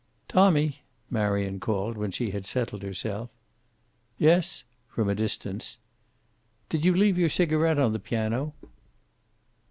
"Tommy!" Marion called, when she had settled herself. "Yes," from a distance. "Did you leave your cigaret on the piano?"